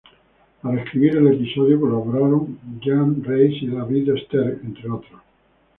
Para escribir el episodio, colaboraron Jean, Reiss y David Stern, entre otros.